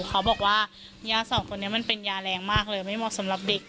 เขาบอกว่ายาสองคนนี้มันเป็นยาแรงมากเลยไม่เหมาะสำหรับเด็ก